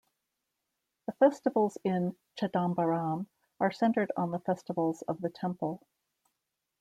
The festivals in Chidambaram are centered on the festivals of the temple.